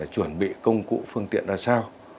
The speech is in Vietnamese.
chuẩn bị công cụ phương tiện là sao